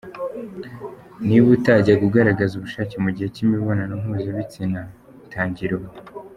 Niba utajyaga ugaragaza ubushake mu gihe cy’imibonano mpuzabitsina ,tangira ubu.